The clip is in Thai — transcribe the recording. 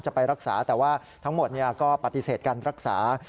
จะไปรักษาแต่ว่าทั้งหมดก็ปฏิเสธการรักษา